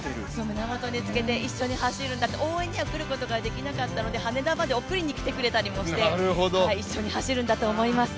胸元につけて一緒に走るんだって応援には来ることができなかったので、羽田まで送りにも来てくれたりして一緒に走るんだと思います。